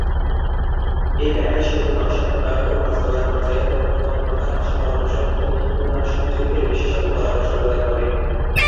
এ panel সেতুর নকশা প্রণয়ন ও বাস্তবায়ন পর্যায়ে প্রকল্প কর্মকর্তা, নকশা পরামর্শক ও উন্নয়ন সহযোগীদের বিশেষজ্ঞ পরামর্শ প্রদান করে।